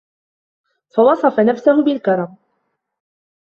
فَوَصَفَ نَفْسَهُ بِالْكَرَمِ